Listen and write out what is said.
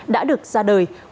đã được ra đời